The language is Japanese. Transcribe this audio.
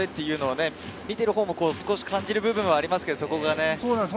見てるほうも感じる部分はありますけどね。